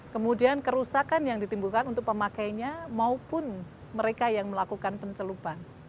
kemudian kerusakan yang ditimbulkan untuk pemakainya maupun mereka yang melakukan pencelupan